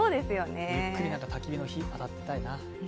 ゆっくりたき火の火にあたりたいな。